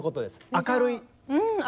明るい。